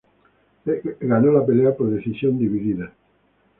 Él ganó la pelea por decisión dividida.